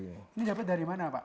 ini dapat dari mana pak